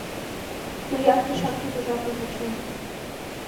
Мыят пешак тудо жапым вучем.